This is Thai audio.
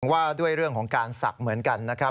ว่าด้วยเรื่องของการศักดิ์เหมือนกันนะครับ